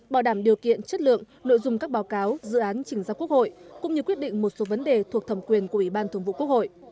bảo đảm điều kiện chất lượng nội dung các báo cáo dự án trình ra quốc hội cũng như quyết định một số vấn đề thuộc thẩm quyền của ủy ban thường vụ quốc hội